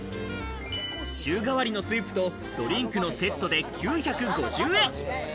週替わりのスープとドリンクのセットで９５０円。